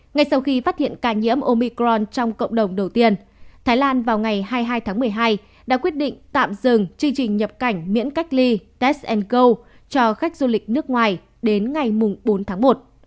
ngay sau khi phát hiện ca nhiễm omicron trong cộng đồng đầu tiên thái lan vào ngày hai mươi hai tháng một mươi hai đã quyết định tạm dừng chương trình nhập cảnh miễn cách ly test go cho khách du lịch nước ngoài đến ngày bốn tháng một